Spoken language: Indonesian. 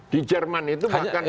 di jerman itu bahkan